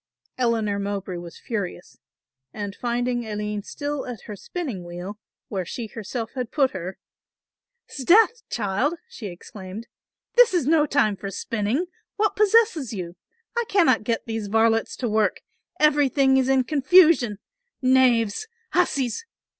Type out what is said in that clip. Eleanor Mowbray was furious and finding Aline still at her spinning wheel, where she herself had put her, "'Sdeath child," she exclaimed, "this is no time for spinning, what possesses you? I cannot get those varlets to work, everything is in confusion, knaves! hussies!